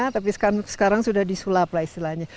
tapi sekarang sudah disulap lah istilahnya